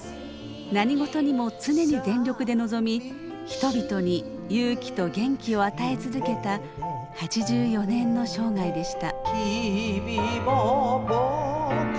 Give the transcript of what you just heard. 何事にも常に全力で臨み人々に勇気と元気を与え続けた８４年の生涯でした。